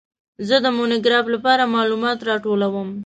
زه د مونوګراف لپاره معلومات راټولوم.